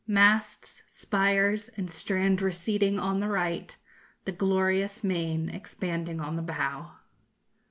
Masts, spires, and strand receding on the right, _The glorious main expanding on the bow.